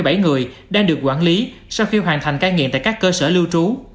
và một sáu trăm bảy mươi bảy người đang được quản lý sau khi hoàn thành cai nghiện tại các cơ sở lưu trú